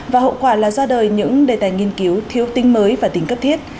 và hậu quả là ra đời những đề tài nghiên cứu thiếu tính mới và tính cấp thiết